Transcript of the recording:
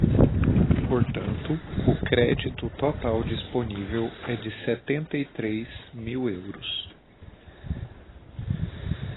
Portanto, o crédito total disponível é de setenta e três mil euros.